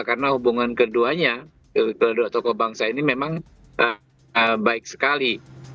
karena hubungan keduanya kedua tokoh bangsa ini memang baik sekali